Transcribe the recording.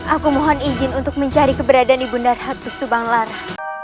aku mohon izin untuk mencari keberadaan ibu narahatus subang lara